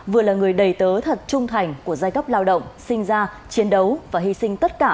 vừa là người đầy tớ thật trung thành của giai cấp lao động sinh ra chiến đấu và hy sinh tất cả